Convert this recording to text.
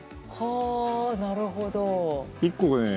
なるほど。